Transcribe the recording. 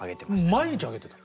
毎日あげてたの？